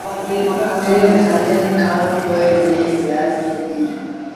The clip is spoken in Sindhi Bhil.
ٽي سآليٚݩ کآݩ پو ميݩهن ويآمي ديٚ۔